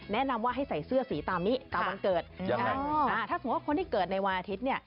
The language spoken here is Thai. แนะนำว่าให้ใส่เสื้อสีตามนี้ตามวันเกิดถ้าสมมุติว่าคนที่เกิดในวันอาทิตย์เนี่ย